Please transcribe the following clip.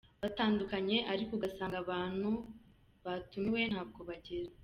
batandukanye ariko ugasanga abantu batumiwe ntabwo bagera